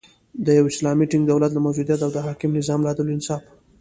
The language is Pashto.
د یو اسلامی ټینګ دولت له موجودیت او د حاکم نظام له عدل، انصاف